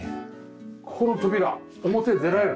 ここの扉表へ出られる。